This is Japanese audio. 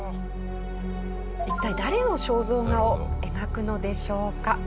一体誰の肖像画を描くのでしょうか？